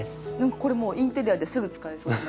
これもうインテリアですぐ使えそうな。